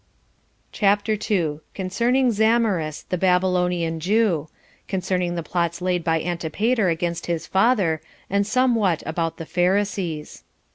1 CHAPTER 2. Concerning Zamaris, The Babylonian Jew; Concerning The Plots Laid By Antipater Against His Father; And Somewhat About The Pharisees.